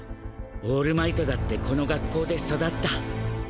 オールマイトだってこの学校で育った。